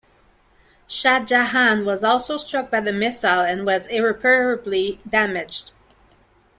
"Shah Jahan" was also struck by the missile and was irreparably damaged.